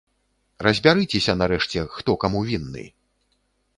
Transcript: Разбярыцеся нарэшце, хто каму вінны!